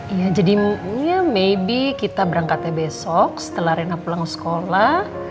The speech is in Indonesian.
iya jadinya maybe kita berangkatnya besok setelah rena pulang sekolah